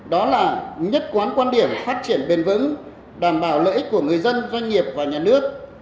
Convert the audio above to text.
đó là nhất quán quan điểm phát triển bền vững đảm bảo lợi ích của người dân doanh nghiệp và nhà nước